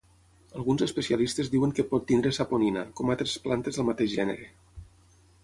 Alguns especialistes diuen que pot tenir saponina, com altres plantes del mateix gènere.